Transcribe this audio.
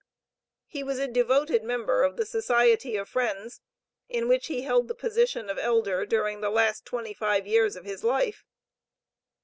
He was a devoted member of the Society of Friends, in which he held the position of elder, during the last twenty five years of his life.